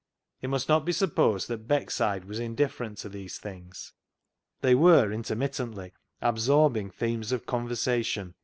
It must not be supposed that Beckside was indifferent to these things. They were inter mittently absorbing themes of conversation.